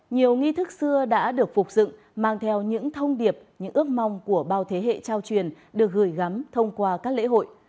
nhiều nghi thức xưa đã được phục dựng mang theo những thông điệp những ước mong của bao thế hệ trao truyền được gửi gắm thông qua các lễ hội